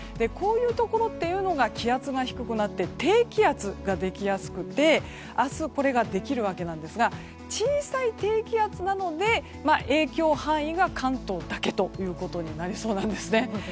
こういうところが気圧が低くなって低気圧ができやすくて明日、これができるわけですが小さい低気圧なので影響範囲が関東だけということになりそうなんですね。